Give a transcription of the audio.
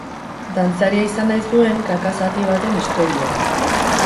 Dantzaria izan nahi zuen kaka zati baten istorioa.